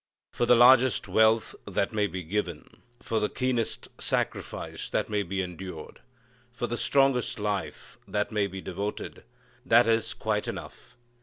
For the largest wealth that may be given, for the keenest sacrifice that may be endured, for the strongest life that may be devoted that is quite enough.